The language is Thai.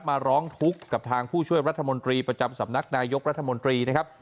มาร้องทุกข์กับทางผู้ช่วยรัฐมนตรีประจำสำนักนายกรัฐมนตรีนะครับ